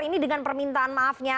ini dengan permintaan maafnya